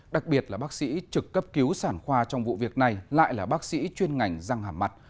đặc biệt là bác sĩ trực cấp cứu sản khoa trong vụ việc này lại là bác sĩ chuyên ngành răng hàm mặt